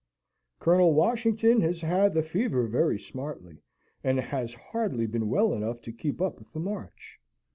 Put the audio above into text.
"Colonel Washington has had the fever very smartly, and has hardly been well enough to keep up with the march.